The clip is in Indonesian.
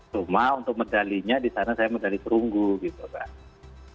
cuma untuk medalinya di sana saya medali perunggu gitu kan